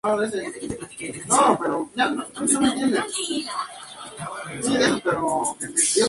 Dispone de abastecimiento de agua procedente del Canal Imperial de Aragón.